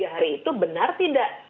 empat puluh tiga hari itu benar tidak